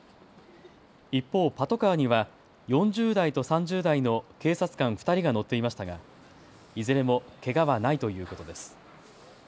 一方、パトカーには４０代と３０代の警察官２人が乗っていましたがいずれもけがはないということです。